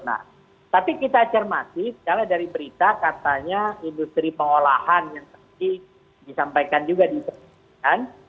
nah tapi kita acermati secara dari berita katanya industri pengolahan yang tadi disampaikan juga di indonesia kan